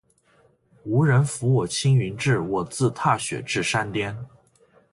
无人扶我青云志，我自踏雪至山巅。